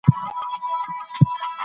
د کاري فشار اغېزې اوږدمهاله دي.